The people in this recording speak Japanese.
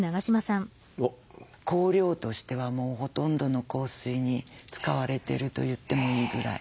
香料としてはもうほとんどの香水に使われてると言ってもいいぐらい。